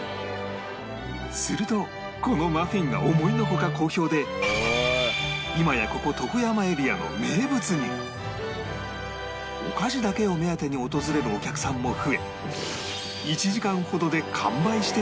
するとこのマフィンが思いのほか好評で今やここお菓子だけを目当てに訪れるお客さんも増え